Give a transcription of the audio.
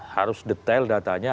harus detail datanya